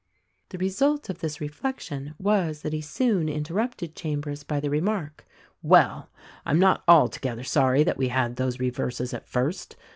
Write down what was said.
The result of this reflection was that he soon inter rupted Chambers by the remark : "Well, I am not altogether sorry that we had those reverses at first.